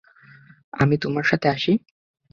আমি তোমার সাথে আসি?